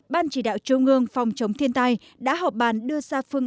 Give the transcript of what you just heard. ban chỉ đạo trung ương phòng chống thiên tai đã họp bàn đưa ra phương